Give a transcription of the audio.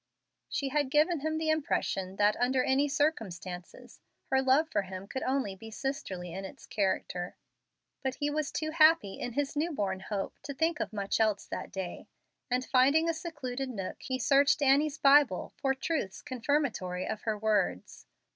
She had given him the impression that, under any circumstances, her love for him could only be sisterly in its character. But he was too happy in his new born hope to think of much else that day; and, finding a secluded nook, he searched Annie's Bible for truths confirmatory of her words.